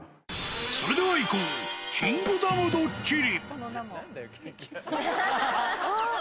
それではいこう、キングダムドッキリ。